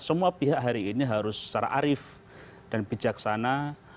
semua pihak hari ini harus secara arif dan bijaksana